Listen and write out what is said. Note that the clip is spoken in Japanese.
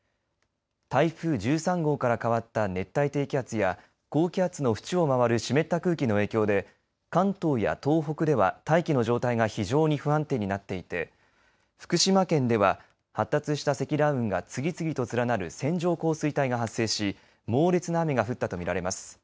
台風１３号から変わった熱帯低気圧や高気圧の縁を回る湿った空気の影響で関東や東北では大気の状態が非常に不安定になっていて福島県では発達した積乱雲が次々と連なる線状降水帯が発生し猛烈な雨が降ったと見られます。